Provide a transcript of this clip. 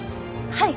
はい。